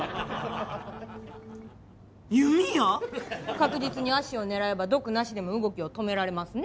確実に足を狙えば毒なしでも動きを止められますね。